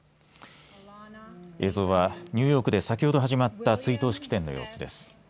映像はニューヨークで先ほど始まった追悼式典の様子です。